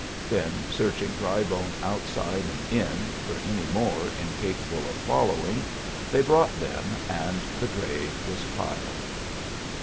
Then, searching Drybone outside and in for any more incapable of following, they brought them, and the dray was piled.